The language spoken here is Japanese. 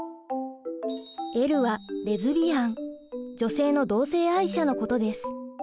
「Ｌ」はレズビアン女性の同性愛者のことです。